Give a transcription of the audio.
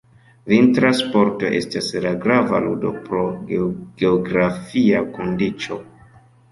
Vintra sporto estas la grava ludo pro geografia kondiĉo.